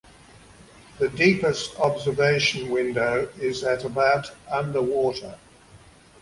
The deepest observation window is at about underwater.